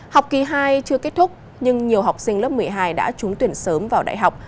học kỳ hai chưa kết thúc nhưng nhiều học sinh lớp một mươi hai đã trúng tuyển sớm vào đại học